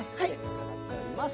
飾ってあります。